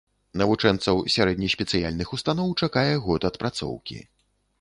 Навучэнцаў сярэдне-спецыяльных устаноў чакае год адпрацоўкі.